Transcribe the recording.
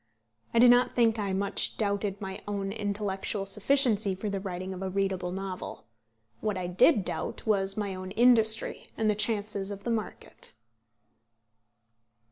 I do not think I much doubted my own intellectual sufficiency for the writing of a readable novel. What I did doubt was my own industry, and the chances of the market.